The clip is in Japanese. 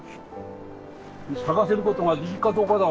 咲かせることができっかどうかだ。